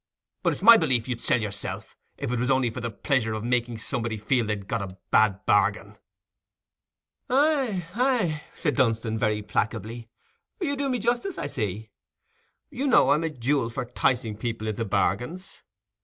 But it's my belief you'd sell yourself, if it was only for the pleasure of making somebody feel he'd got a bad bargain." "Aye, aye," said Dunstan, very placably, "you do me justice, I see. You know I'm a jewel for 'ticing people into bargains.